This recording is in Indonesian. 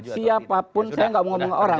siapapun saya tidak mau ngomong ke orang